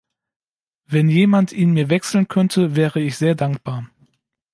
Wenn jemand ihn mir wechseln könnte, wäre ich sehr dankbar.